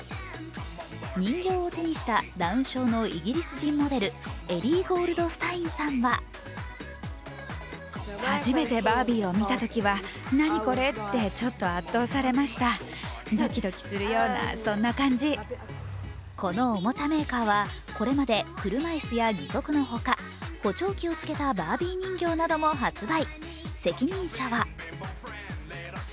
人形を手にしたダウン症のイギリス人モデル、エリー・ゴールドスタインさんはこのおもちゃメーカーはこれまで車椅子や義足のほか、補聴器をつけたバービー人形なども発売。